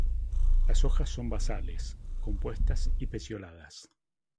Las hojas son basales, compuestas y pecioladas.